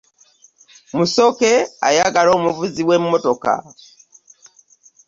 Musoke ayagala omuvuzi w'emmotoka.